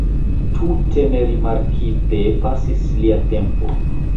Tute nerimarkite pasis lia tempo.